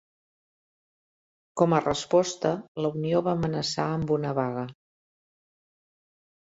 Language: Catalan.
Com a resposta, la Unió va amenaçar amb una vaga.